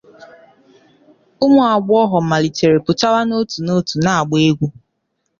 Ụmụagbọghọ malitere pụtawa n’otu n’otu na-agba egwu.